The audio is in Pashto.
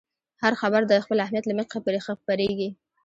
هر خبر د خپل اهمیت له مخې خپرېږي.